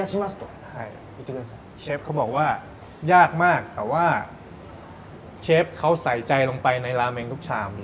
เชฟเขาบอกว่ายากมากแต่ว่าเชฟเขาใส่ใจลงไปในราเมงทุกชามเลย